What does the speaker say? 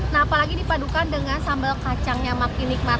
nah apalagi dipadukan dengan sambal kacang yang makin nikmat